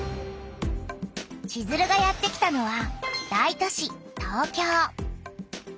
チズルがやってきたのは大都市東京。